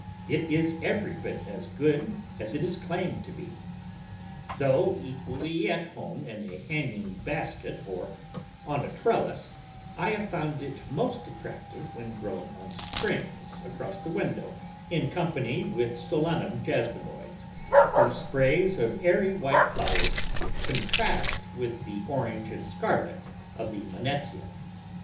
It is every bit as good as it is claimed to be. Though equally at home in a hanging basket or on a trellis, I have found it most attractive Digitized by Google Eleven] WitUS «37 when grown on strings across the window in com pany with Solanum jasminoides, whose sprays of airy white flowers contrast with the orange and scarlet of the Manettia.